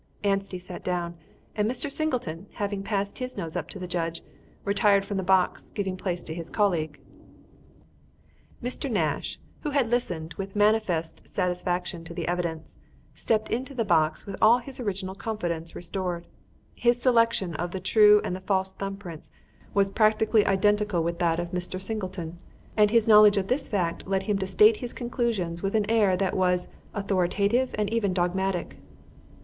Anstey sat down, and Mr. Singleton, having passed his notes up to the judge, retired from the box, giving place to his colleague. Mr. Nash, who had listened with manifest satisfaction to the evidence, stepped into the box with all his original confidence restored. His selection of the true and the false thumb prints was practically identical with that of Mr. Singleton, and his knowledge of this fact led him to state his conclusions with an air that was authoritative and even dogmatic.